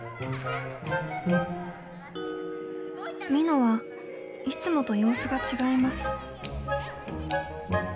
みのはいつもと様子が違います。